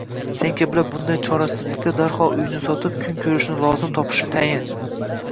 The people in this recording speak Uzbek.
Sen kabilar bunday chorasizlikda darhol uyni sotib kun ko'rishni lozim topishi tayin